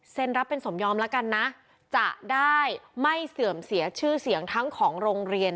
รับเป็นสมยอมแล้วกันนะจะได้ไม่เสื่อมเสียชื่อเสียงทั้งของโรงเรียน